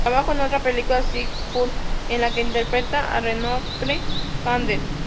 Trabajó en otra película, "Big Sur", en la que interpreta a Lenore Kandel.